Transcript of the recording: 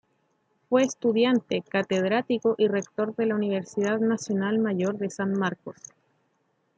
Fue estudiante, catedrático y rector de la Universidad Nacional Mayor de San Marcos.